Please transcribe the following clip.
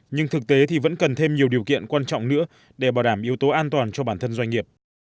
nhưng thực tế thì vẫn cần thêm nhiều điều kiện quan trọng nữa để bảo đảm yếu tố an toàn cho bản thân doanh nghiệp